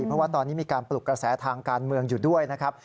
เพราะว่าตอนนี้มีการปลุกกระแสทางการเมืองอยู่ด้วยนะครับ